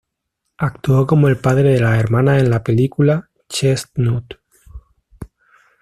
Actuó como el padre de las hermanas en la película "Chestnut".